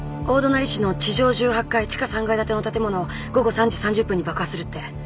「大隣市の地上１８階地下３階建ての建物を午後３時３０分に爆破する」って。